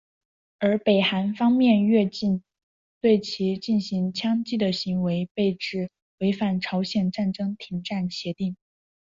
而北韩方面越境对其进行枪击的行为被指违反朝鲜战争停战协定。